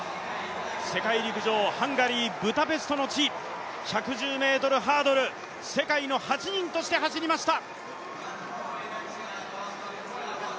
世界陸上ハンガリー・ブダペストの地、１１０ｍハードル、世界の８人として走りました。